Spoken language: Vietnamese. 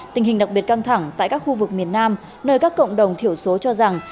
tình hình đặc biệt căng thẳng tại các khu vực miền nam nơi các cộng đồng thiểu số cho rằng